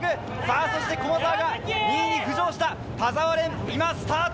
そして駒澤が２位に浮上した田澤廉、今スタート！